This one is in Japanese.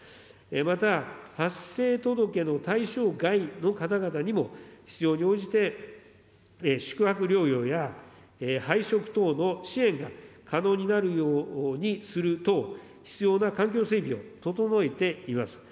また、発生届の対象外の方々にも、必要に応じて宿泊療養や配食等の支援が可能になるようにする等、必要な環境整備を整えています。